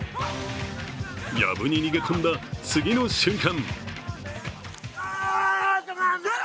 やぶに逃げ込んだ次の瞬間。